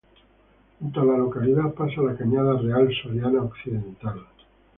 Junto a la localidad pasa la Cañada Real Soriana Occidental.